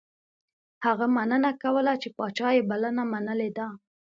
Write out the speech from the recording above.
هغه مننه کوله چې پاچا یې بلنه منلې ده.